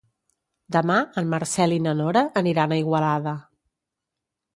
Demà en Marcel i na Nora aniran a Igualada.